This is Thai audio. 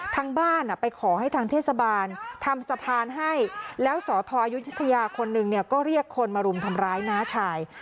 ทางบ้านไปขอให้ทางเทศบาลทำสะพานให้แล้วสอทอยุธยาคนหนึ่งเนี่ยก็เรียกคนมารุมทำร้ายน้าชาย